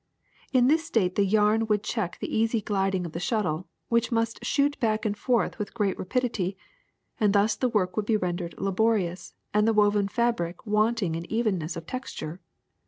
In this state the yarn would check the easy gliding of the shuttle, which must shoot back and forth with great rapidity ; and thus the work would be rendered labor ious and the woven fabric wanting in evenness of texture.